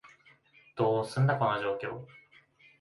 どうすんだ、この状況？